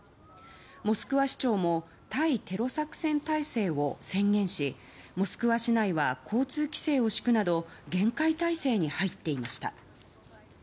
モスクワ市長も対テロ作戦態勢を宣言しモスクワ市内は交通規制を敷くなど厳戒態勢に入っていました。